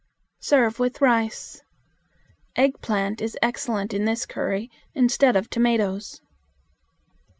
Serve with rice. Eggplant is excellent in this curry instead of tomatoes.